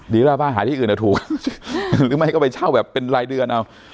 ดีล่ะป้าหาที่อื่นถูกหรือไม่ก็ไปเช่าแบบเป็นรายเดือนเอา